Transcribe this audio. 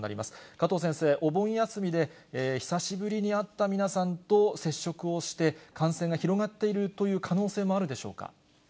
加藤先生、お盆休みで久しぶりに会った皆さんと接触をして、感染が広がっているという可能性もあるでしょうか。